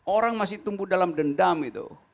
orang masih tumbuh dalam dendam itu